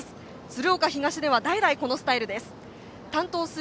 鶴岡東では代々このスタイルです。